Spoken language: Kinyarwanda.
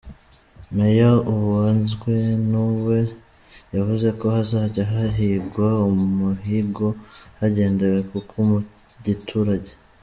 Mayor Uwanzwenuwe yavuze ko hazajya hahigwa umuhigo hagendewe ku ku mu giturage.